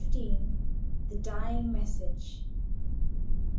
The Dying Message.